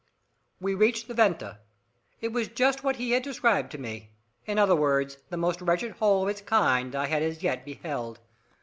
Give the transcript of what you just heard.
We reached the venta. It was just what he had described to me. In other words, the most wretched hole of its kind I had as yet beheld.